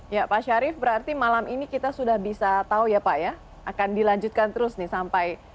ya pak syarif berarti malam ini kita sudah bisa tahu ya pak ya akan dilanjutkan terus nih sampai